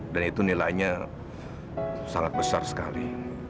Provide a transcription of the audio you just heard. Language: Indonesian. dan itu nilainya sangat besar sekali